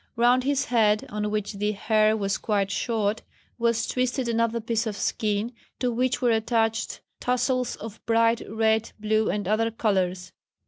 Round his head, on which the hair was quite short, was twisted another piece of skin to which were attached tassels of bright red, blue and other colours.